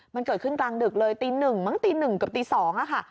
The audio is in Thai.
มันเกิดขึ้นกลางดึกเลยตีหนึ่งมั้งตีหนึ่งกับตีสองอะค่ะ